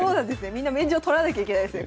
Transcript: みんな免状とらなきゃいけないですね